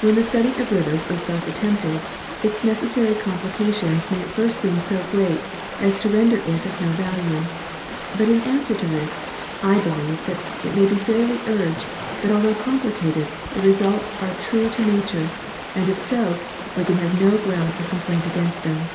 When the study of rivers is thus attempted, its necessary com plications may at first seem so great as to render it of no value ; but in answer to this I believe that it may be fairly urged that, although complicated, the results are true to nature, and if so, we can have no ground of complaint against them.